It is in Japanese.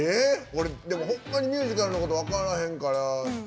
ほんまにミュージカルのこと分からへんから。